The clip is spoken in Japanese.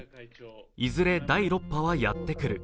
いずれ第６波はやってくる。